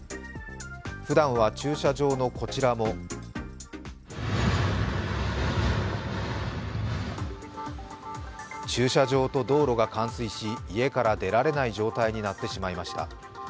ふだんは駐車場のこちらも駐車場と道路が冠水し家から出られない状態になってしまいました。